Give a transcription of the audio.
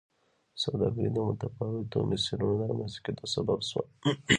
سوداګري د متفاوتو مسیرونو د رامنځته کېدو سبب شوه.